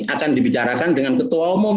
akan dibicarakan dengan ketua umum